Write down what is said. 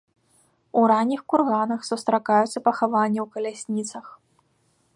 У ранніх курганах сустракаюцца пахаванні ў калясніцах.